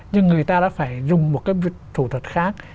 nhưng người ta đã phải dùng một cái thủ thuật khác